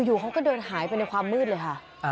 อยู่เขาก็เดินหายไปในความมืดเลยค่ะ